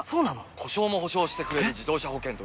故障も補償してくれる自動車保険といえば？